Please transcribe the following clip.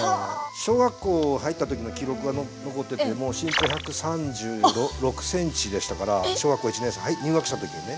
小学校入った時の記録が残っててもう身長１３６ｃｍでしたから小学校１年生入学した時にね。